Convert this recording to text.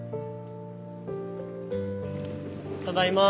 ただいま。